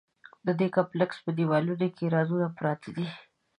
د دې کمپلېکس په دیوالونو کې رازونه پراته دي.